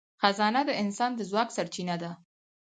خزانه د انسان د ځواک سرچینه ده.